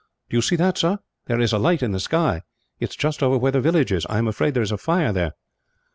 "Do you see that, sir? There is a light in the sky. It is just over where the village is. I am afraid there is a fire there."